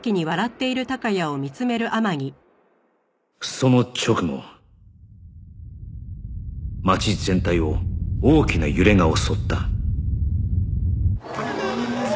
その直後町全体を大きな揺れが襲った